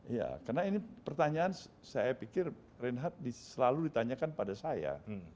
iya karena ini pertanyaan saya pikir reinhardt selalu ditanyakan pada saya